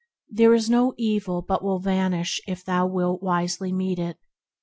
There is no evil but will vanish if thou wilt wisely meet it.